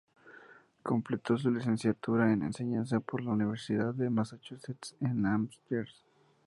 Completó su licenciatura en enseñanza por la Universidad de Massachusetts en Amherst.